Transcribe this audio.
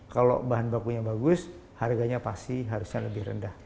kalau bahan bakunya bagus harganya pasti harusnya lebih rendah